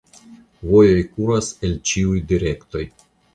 Vojoj kuras el ĉiuj direktoj.